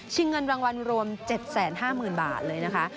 เงินรางวัลรวม๗๕๐๐๐บาทเลยนะคะ